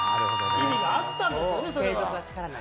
意味があったんですね。